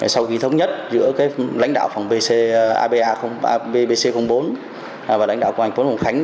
sau khi thống nhất giữa lãnh đạo phòng abc bốn và lãnh đạo phòng tp hcm